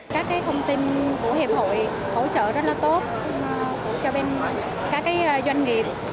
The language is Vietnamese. các thông tin của hiệp hội hỗ trợ rất là tốt cho bên các doanh nghiệp